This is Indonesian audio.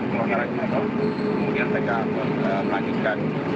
maksudnya masih bergerak langsung kota mekah atau kota madinah bergantung